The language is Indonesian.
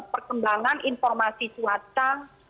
perkembangan informasi cuaca